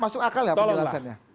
masuk akal ya penjelasannya